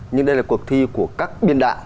nhưng đây là cuộc thi của các biên đạo